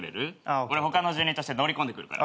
俺他の住人として乗り込んでくるから。